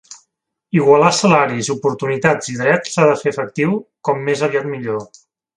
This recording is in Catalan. Igualar salaris, oportunitats i drets s’ha de fer efectiu com més aviat millor.